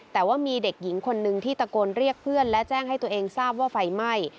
แต่ว่ามีเด็กหญิงคนนึงที่ตะโกนเรียกเพื่อนและแจ้งให้ตัวเองทราบว่าไฟไหม้